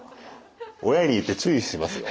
親に言って注意しますよ。